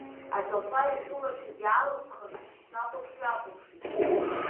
Аӡахәа иахьыларшәыз иаалысхын, снахәаԥш-ҩахәаԥшит.